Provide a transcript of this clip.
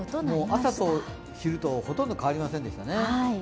朝と昼とほとんど変わりませんでしたね。